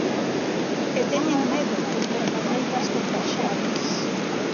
E teñen medo, con compañeiras contaxiadas.